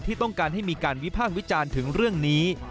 ที่ต้องการให้มีการวิพากษ์วิจารณ์ถึงเรื่องนี้